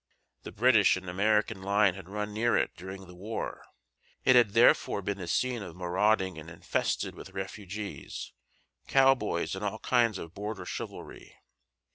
The British and American line had run near it during the war; it had therefore been the scene of marauding and infested with refugees, cow boys, and all kinds of border chivalry.